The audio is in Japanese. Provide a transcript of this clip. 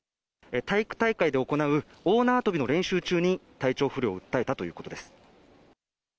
体育大会で行う大縄跳びの練習中に体調不良を訴えたということです。